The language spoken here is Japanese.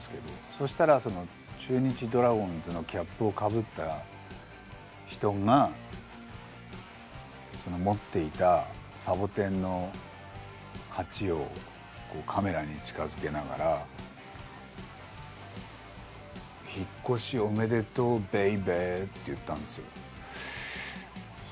そしたらその中日ドラゴンズのキャップをかぶった人がその持っていたサボテンの鉢をカメラに近づけながら「引っ越しおめでとうベイベー」って言ったんですよ。